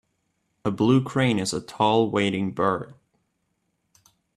A blue crane is a tall wading bird.